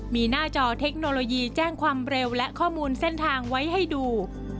มีหน้าจอเทคโนโลยีแจ้งความเร็วและข้อมูลเส้นทางไว้ให้ดู